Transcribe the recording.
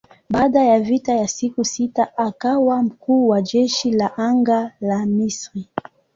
Baada ya vita ya siku sita akawa mkuu wa jeshi la anga la Misri.